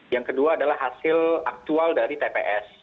yang kedua adalah hasil aktual dari tps